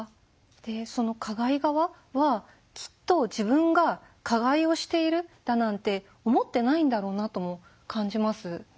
でその加害側はきっと自分が加害をしているだなんて思ってないんだろうなとも感じます。